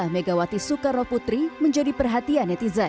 megawati soekarno putri menjadi perhatian netizen